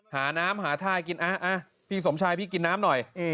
หาน้ำหาท่ายกินพี่สมชายพี่กินน้ำหน่อย